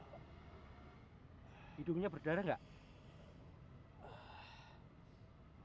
hidungnya berdarah gak